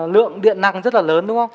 lượng điện năng rất là lớn đúng không